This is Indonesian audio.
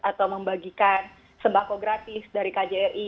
atau membagikan sembako gratis dari kjri